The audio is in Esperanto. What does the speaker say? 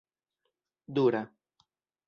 dura